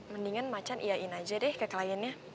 mendingan macan iain aja deh ke kliennya